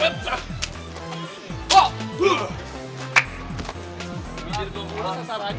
alhamdulillah boy baik